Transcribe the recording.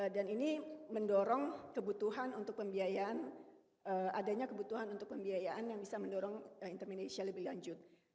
dan ini mendorong kebutuhan untuk pembiayaan adanya kebutuhan untuk pembiayaan yang bisa mendorong interminasial lebih lanjut